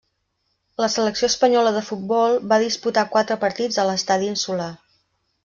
La selecció espanyola de futbol va disputar quatre partits a l'Estadi Insular.